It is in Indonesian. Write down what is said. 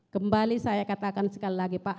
kembali saya katakan sekali lagi pak